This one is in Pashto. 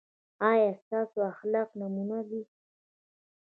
ایا ستاسو اخلاق نمونه دي؟